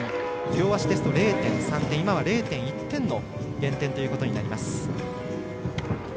両足ですと０．３で、今は０．１点の減点ということになります。